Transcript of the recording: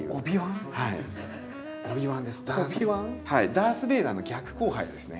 ダースベイダーの逆交配ですね。